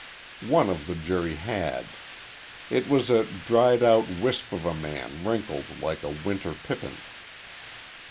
One of the jury had. He was a dried out wisp of a man wrinkled like a winter pippin.